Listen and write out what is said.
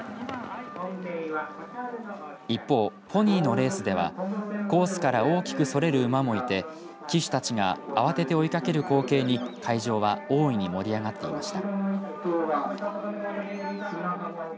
一方、ポニーのレースではコースから大きくそれる馬もいて騎手たちが慌てて追いかける光景に会場は大いに盛り上がっていました。